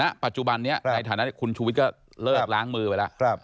ณปัจจุบันนี้ในฐานะคุณชูวิทย์ก็เลิกล้างมือไปแล้ว